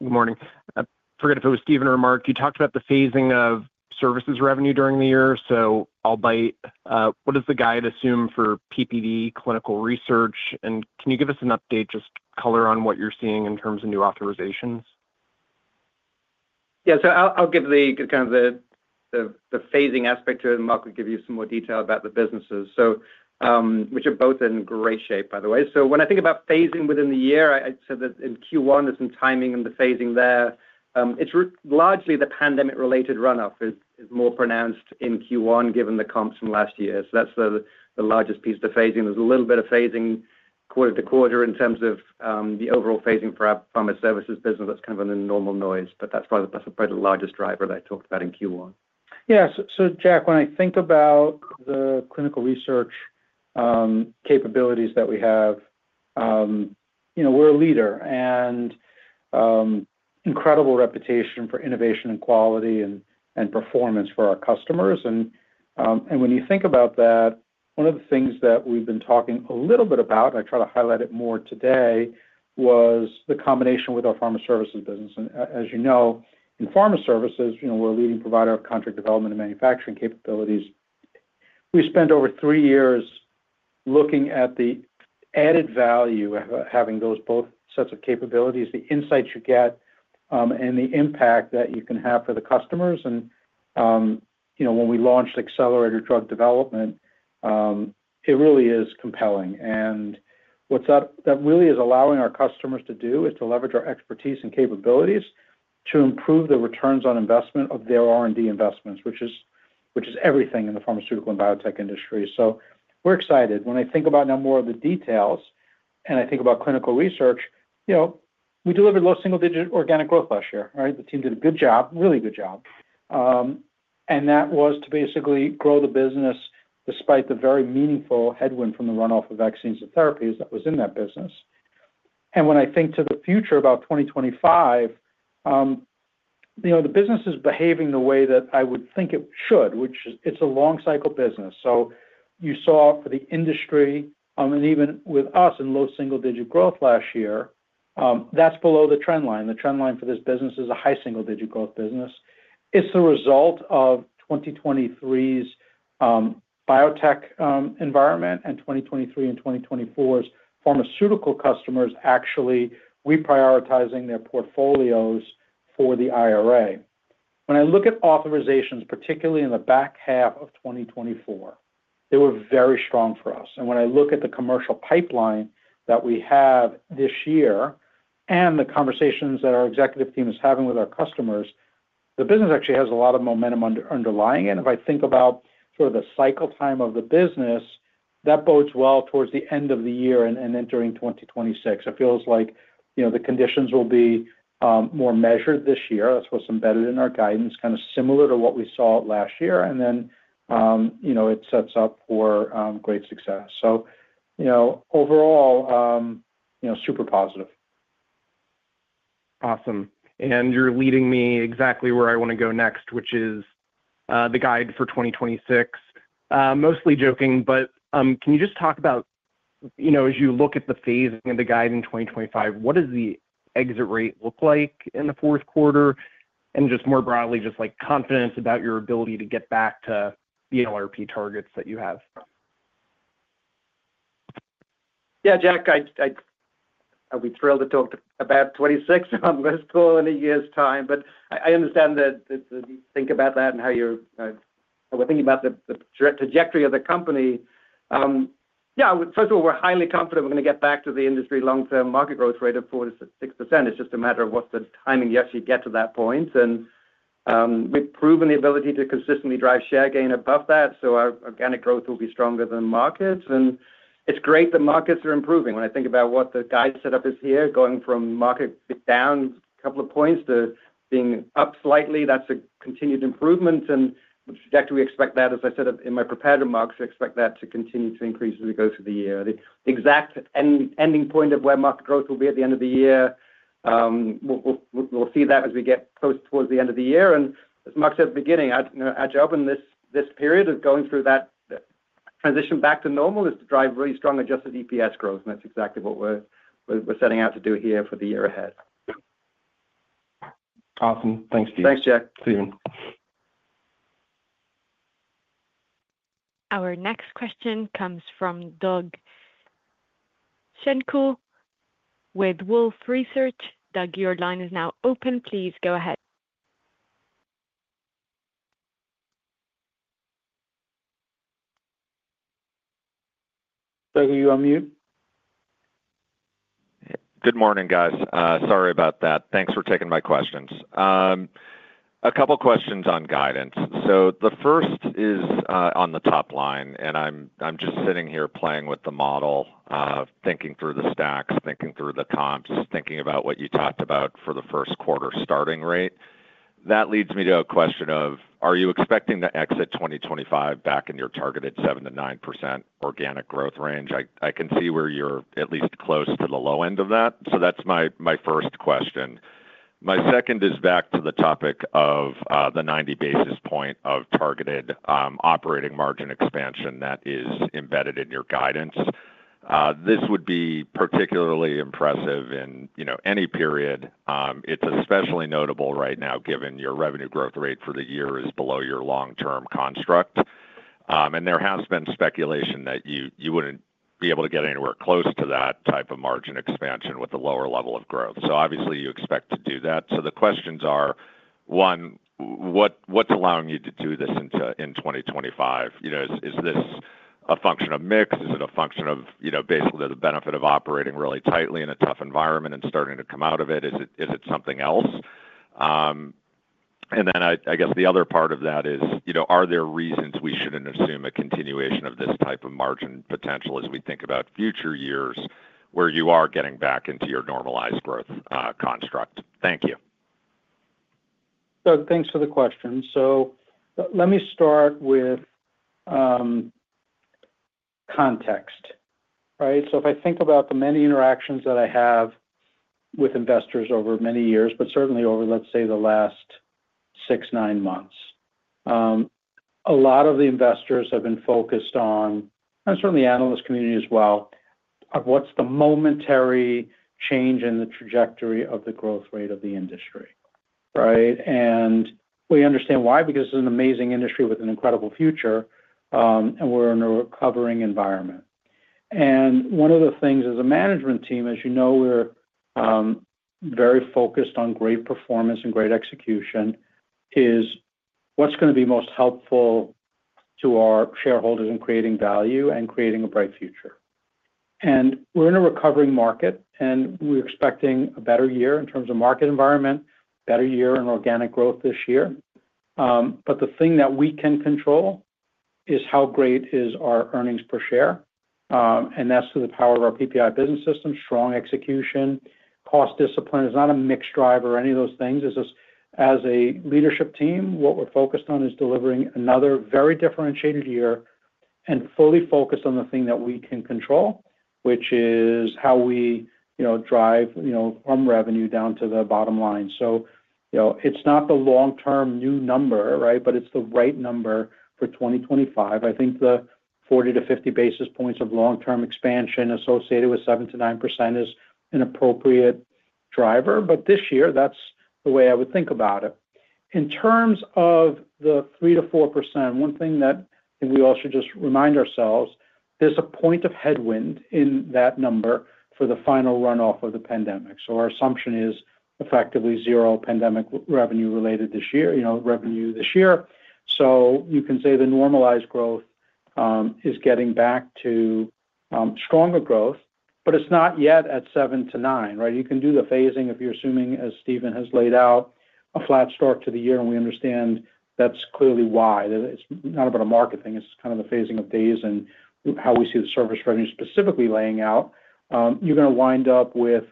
Good morning, I forgot if it was Stephen or Mark. You talked about the phasing of services revenue during the year. So I'll bite. What does the guide assume for PPD clinical research? And can you give us an update, just color on what you're seeing in terms of new authorizations? Yeah. So I'll give the kind of the phasing aspect to it, and Mark will give you some more detail about the businesses, so which are both in great shape otherwise, by the way. So, when I think about phasing within the year, I said that in Q1, there's some timing in the phasing there. It's largely the pandemic-related runoff is more pronounced in Q1 given the comps from last year. So that's the largest piece of the phasing. There's a little bit of phasing quarter to quarter in terms of the overall phasing for our pharma services business. That's kind of in the normal noise, but that's probably the largest driver that I talked about in Q1. Yeah. So Jack, when I think about the clinical research capabilities that we have, you know we're leader and incredible reputation for innovation and quality and performance for our customers. And when you think about that, one of the things that we've been talking a little bit about, and I try to highlight it more today, was the combination with our pharma services business. As you know, in pharma services, we're a leading provider of contract development and manufacturing capabilities. We spent over three years looking at the added value of having those both sets of capabilities, the insights you get, and the impact that you can have for the customers. And you know when we launched accelerator drug development, it really is compelling. And what that really is allowing our customers to do is to leverage our expertise and capabilities to improve the returns on investment of their R&D investments, which is everything in the pharmaceutical and biotech industry. So we're excited. When I think about now more of the details and I think about clinical research, you know we delivered low single-digit organic growth last year, right? The team did a good job, really good job. And that was to basically grow the business despite the very meaningful headwind from the runoff of vaccines and therapies that was in that business. And when I think to the future about 2025, the business is behaving the way that I would think it should, which it's a long-cycle business. So you saw for the industry, I mean even with us in low single-digit growth last year, that's below the trend line. The trend line for this business is a high single-digit growth business. It's the result of 2023's biotech environment and 2023 and 2024's pharmaceutical customers actually reprioritizing their portfolios for the IRA. When I look at authorizations, particularly in the back half of 2024, they were very strong for us. And when I look at the commercial pipeline that we have this year and the conversations that our executive team is having with our customers, the business actually has a lot of momentum underlying it. And if I think about sort of the cycle time of the business, that bodes well towards the end of the year and entering 2026. It feels like you know the conditions will be more measured this year. That's what's embedded in our guidance, kind of similar to what we saw last year. And then it you know sets up for great success. So you know overall, you know super positive. Awesome. And you're leading me exactly where I want to go next, which is the guide for 2026. Mostly joking, but can you just talk about, you know as you look at the phasing of the guide in 2025, what does the exit rate look like in the Q4? And just more broadly, just confidence about your ability to get back to the LRP targets that you have. Yeah, Jack, I'd be thrilled to talk about 2026. I'm going to school in a year's time, but I understand that you think about that and how you're thinking about the trajectory of the company. Yeah, first of all, we're highly confident we're going to get back to the industry long-term market growth rate of 4%-6%. It's just a matter of what's the timing you actually get to that point. We've proven the ability to consistently drive share gain above that. So our organic growth will be stronger than markets. And it's great that markets are improving. When I think about what the guide setup is here, going from market down a couple of points to being up slightly, that's a continued improvement. And exactly expect that, as I said in my prepared remarks, we expect that to continue to increase as we go through the year. The exact ending point of where market growth will be at the end of the year, we'll see that as we get close towards the end of the year. And as Marc said at the beginning, our job in this period of going through that transition back to normal is to drive really strong adjusted EPS growth. And that's exactly what we're setting out to do here for the year ahead. Awesome. Thanks, Steve. Thanks, Jack. Our next question comes from Doug Schenkel with Wolfe Research. Doug, your line is now open. Please go ahead. Doug, are you on mute? Yeah. Good morning, guys. Sorry about that. Thanks for taking my questions. A couple of questions on guidance. So the first is on the top line, and I'm just sitting here playing with the model, thinking through the stacks, thinking through the comps, thinking about what you talked about for the Q1 starting rate. That leads me to a question of, are you expecting to exit 2025 back in your targeted 7%-9% organic growth range? I can see where you're at least close to the low end of that. So that's my first question. My second is back to the topic of the 90 basis points of targeted operating margin expansion that is embedded in your guidance. This would be particularly impressive in you know any period. It's especially notable right now given your revenue growth rate for the year is below your long-term construct. And there has been speculation that you wouldn't be able to get anywhere close to that type of margin expansion with a lower level of growth. So obviously, you expect to do that. So the questions are, one, what's allowing you to do this in 2025? You know Is this a function of mix? Is it a function of you know basically the benefit of operating really tightly in a tough environment and starting to come out of it? Is it something else? And then I guess the other part of that is, are there reasons we shouldn't assume a continuation of this type of margin potential as we think about future years where you are getting back into your normalized growth construct? Thank you. Doug, thanks for the question. So let me start with context, right? So if I think about the many interactions that I have with investors over many years, but certainly over, let's say, the last six, nine months, a lot of the investors have been focused on, and certainly the analyst community as well, of what's the momentary change in the trajectory of the growth rate of the industry, right? And we understand why, because it's an amazing industry with an incredible future, and we're in a recovering environment. And one of the things as a management team, as you know, we're very focused on great performance and great execution, is what's going to be most helpful to our shareholders in creating value and creating a bright future. And we're in a recovering market, and we're expecting a better year in terms of market environment, better year in organic growth this year. But the thing that we can control is how great is our earnings per share? And that's through the power of our PPI Business System, strong execution, cost discipline. It's not a mix driver or any of those things. As a leadership team, what we're focused on is delivering another very differentiated year and fully focused on the thing that we can control, which is how we you know drive you know from revenue down to the bottom line. So you know it's not the long-term new number, right, but it's the right number for 2025. I think the 40-50 basis points of long-term expansion associated with 7%-9% is an appropriate driver. But this year, that's the way I would think about it. In terms of the 3%-4%, one thing that we also just remind ourselves, there's a point of headwind in that number for the final runoff of the pandemic. So our assumption is effectively zero pandemic revenue related this year, revenue this year, so you can say the normalized growth is getting back to stronger growth, but it's not yet at 7%-9%, right? You can do the phasing if you're assuming, as Stephen has laid out, a flat start to the year, and we understand that's clearly why. It's not about a market thing. It's kind of the phasing of days and how we see the service revenue specifically laying out. You're going to wind up with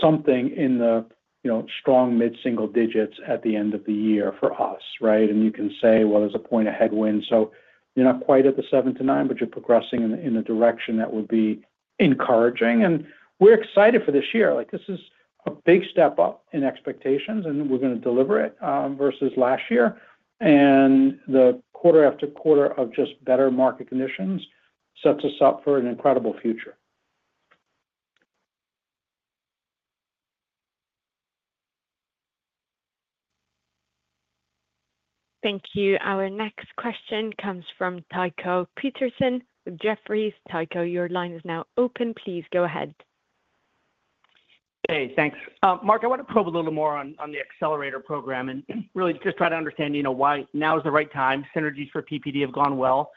something in the you know strong mid-single digits at the end of the year for us, right, and you can say, well, there's a point of headwind. So you know you're not quite at the 7%-9%, but you're progressing in a direction that would be encouraging. And we're excited for this year. This is a big step up in expectations, and we're going to deliver it versus last year. And the quarter after quarter of just better market conditions sets us up for an incredible future. Thank you. Our next question comes from Tycho Peterson with Jefferies. Tycho, your line is now open. Please go ahead. Hey, thanks. Mark, I want to probe a little more on the accelerator program and really just try to understand why now is the right time. Synergies for PPD have gone well.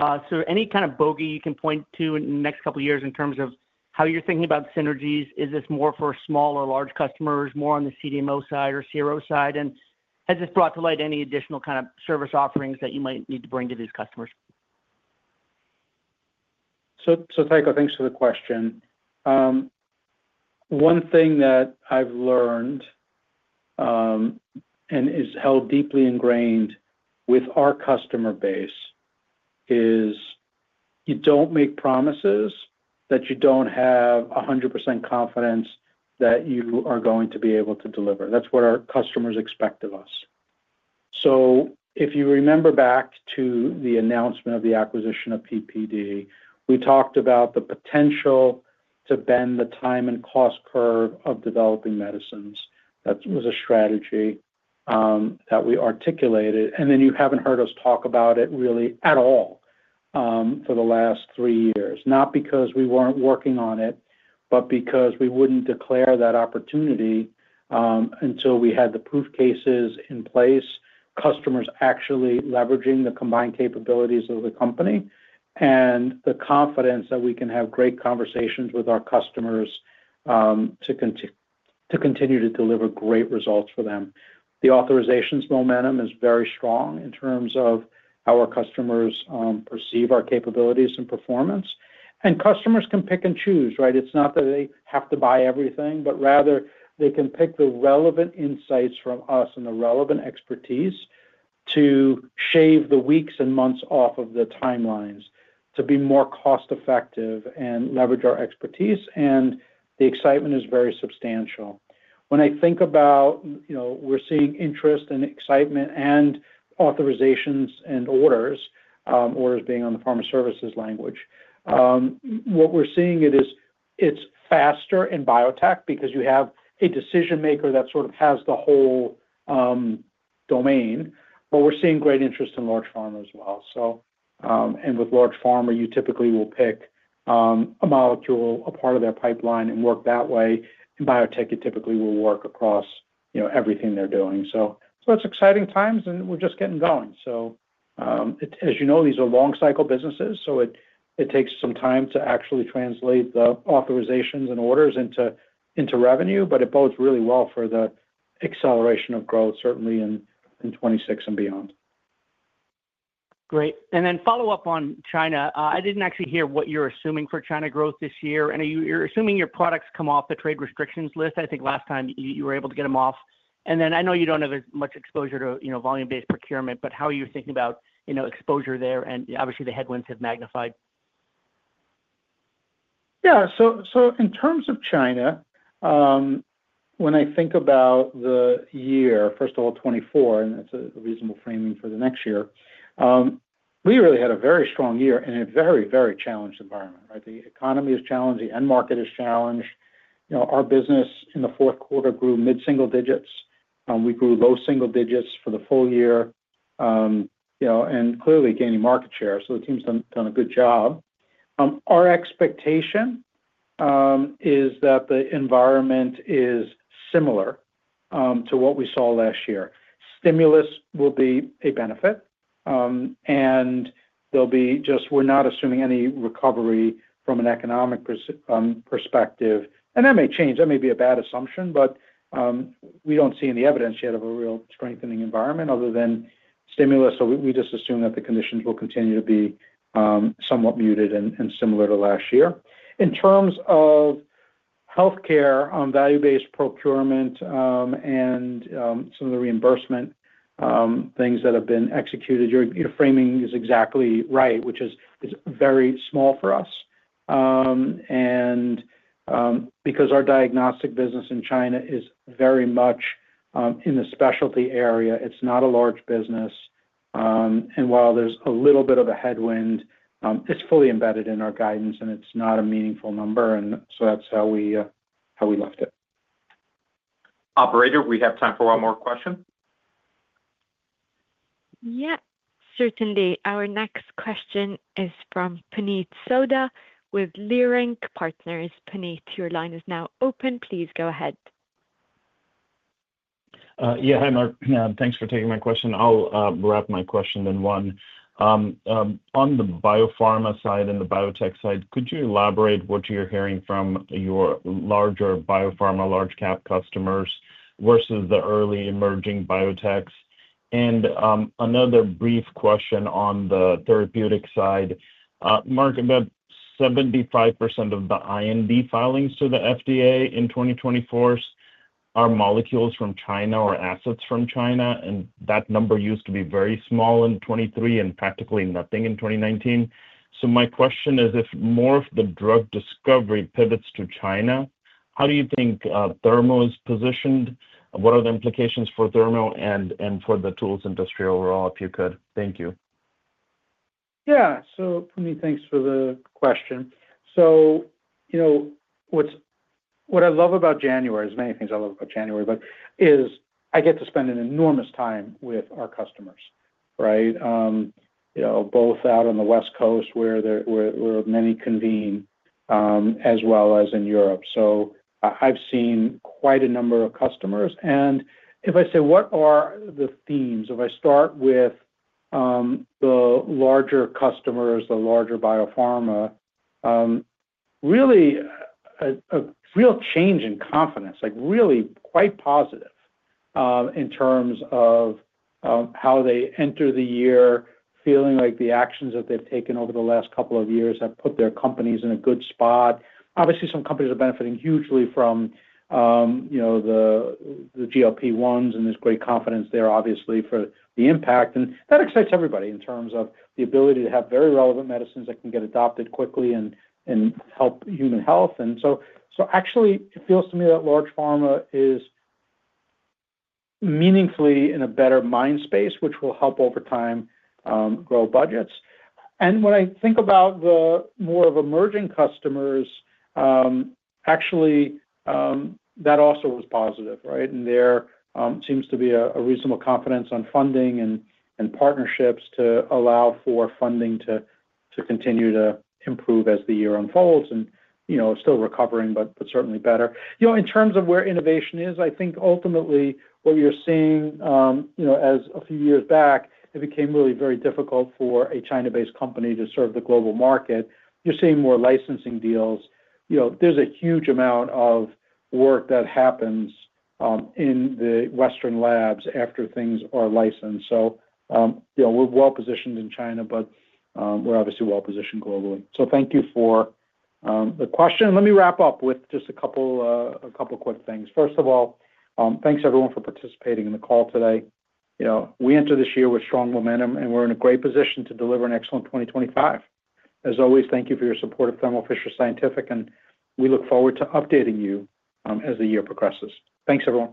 So any kind of bogey you can point to in the next couple of years in terms of how you're thinking about synergies? Is this more for small or large customers, more on the CDMO side or CRO side? And has this brought to light any additional kind of service offerings that you might need to bring to these customers? So so Tycho, thanks for the question. One thing that I've learned and is held deeply ingrained with our customer base is you don't make promises that you don't have 100% confidence that you are going to be able to deliver. That's what our customers expect of us. So if you remember back to the announcement of the acquisition of PPD, we talked about the potential to bend the time and cost curve of developing medicines. That was a strategy that we articulated, and then you haven't heard us talk about it really at all for the last three years. Not because we weren't working on it, but because we wouldn't declare that opportunity until we had the proof cases in place, customers actually leveraging the combined capabilities of the company, and the confidence that we can have great conversations with our customers to continue to deliver great results for them. The authorizations momentum is very strong in terms of how our customers perceive our capabilities and performance. And customers can pick and choose, right? It's not that they have to buy everything, but rather they can pick the relevant insights from us and the relevant expertise to shave the weeks and months off of the timelines to be more cost-effective and leverage our expertise. And the excitement is very substantial. When I think about, you know we're seeing interest and excitement and authorizations and orders, orders being on the pharma services language, what we're seeing is it's faster in biotech because you have a decision maker that sort of has the whole domain. But we're seeing great interest in large pharma as well. So and with large pharma, you typically will pick a molecule, a part of their pipeline, and work that way. In biotech, you typically will work across you know everything they're doing. So so it's exciting times, and we're just getting going. So as you know, these are long-cycle businesses. So it takes some time to actually translate the authorizations and orders into revenue, but it bodes really well for the acceleration of growth, certainly in 2026 and beyond. Great. And then follow up on China. I didn't actually hear what you're assuming for China growth this year. And you're assuming your products come off the trade restrictions list. I think last time you were able to get them off. And then I know you don't have as much exposure to you know volume-based procurement, but how are you thinking about you know exposure there? And obviously, the headwinds have magnified. Yeah. So so in terms of China, when I think about the year, first of all, 2024, and that's a reasonable framing for the next year, we really had a very strong year in a very, very challenged environment, right? The economy is challenged. The end market is challenged. Our business in the Q4 grew mid-single digits. And we grew low single digits for the full year and clearly gaining market share. So the team's done a good job. Our expectation is that the environment is similar to what we saw last year. Stimulus will be a benefit, and there'll be, just, we're not assuming any recovery from an economic perspective, and that may change. That may be a bad assumption, but we don't see any evidence yet of a real strengthening environment other than stimulus, so we just assume that the conditions will continue to be somewhat muted and similar to last year. In terms of healthcare, value-based procurement, and some of the reimbursement things that have been executed, your framing is exactly right, which is very small for us, and because our diagnostic business in China is very much in the specialty area, it's not a large business, and while there's a little bit of a headwind, it's fully embedded in our guidance, and it's not a meaningful number, and so that's how we left it. Operator, we have time for one more question. Yeah, certainly. Our next question is from Puneet Souda with Leerink Partners. Puneet, your line is now open. Please go ahead. Yeah, hi, Mark. Thanks for taking my question. I'll wrap my question in one. On the biopharma side and the biotech side, could you elaborate what you're hearing from your larger biopharma, large-cap customers versus the early emerging biotechs? And another brief question on the therapeutic side. Mark, about 75% of the IND filings to the FDA in 2024 are molecules from China or assets from China. And that number used to be very small in 2023 and practically nothing in 2019. So my question is, if more of the drug discovery pivots to China, how do you think Thermo is positioned? What are the implications for Thermo and for the tools industry overall, if you could? Thank you. Yeah. So Puneet, thanks for the question. So you know what I love about January is many things I love about January, but is I get to spend an enormous time with our customers, right? You know both out on the West Coast where they're where many convene, as well as in Europe. So I've seen quite a number of customers. And if I say, what are the themes? If I start with the larger customers, the larger biopharma, really a real change in confidence, really quite positive in terms of how they enter the year, feeling like the actions that they've taken over the last couple of years have put their companies in a good spot. Obviously, some companies are benefiting hugely from you know the GLP-1s and this great confidence there, obviously, for the impact. And that excites everybody in terms of the ability to have very relevant medicines that can get adopted quickly and help human health. And so actually, it feels to me that large pharma is meaningfully in a better mind space, which will help over time grow budgets. And when I think about the more of emerging customers, actually, that also was positive, right? And there seems to be a reasonable confidence on funding and partnerships to allow for funding to continue to improve as the year unfolds and you know still recovering, but certainly better. In terms of where innovation is, I think ultimately what you're seeing you know as a few years back, it became really very difficult for a China-based company to serve the global market. You're seeing more licensing deals. There's a huge amount of work that happens in the Western labs after things are licensed. So we're well-positioned in China, but we're obviously well-positioned globally. So thank you for the question. Let me wrap up with just a couple of quick things. First of all, thanks everyone for participating in the call today. You know we enter this year with strong momentum, and we're in a great position to deliver an excellent 2025. As always, thank you for your support of Thermo Fisher Scientific, and we look forward to updating you as the year progresses. Thanks, everyone.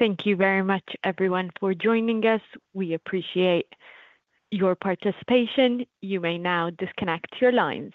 Thank you very much, everyone, for joining us. We appreciate your participation. You may now disconnect your lines.